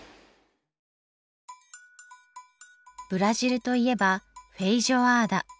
ブラジルといえばフェイジョアーダ。